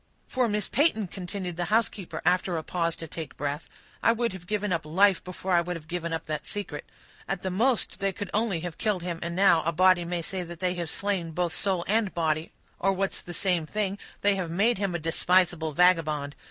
"For, Miss Peyton," continued the housekeeper, after a pause to take breath, "I would have given up life before I would have given up that secret. At the most, they could only have killed him, and now a body may say that they have slain both soul and body; or, what's the same thing, they have made him a despisable vagabond.